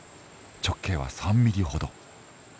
直径は３ミリほど。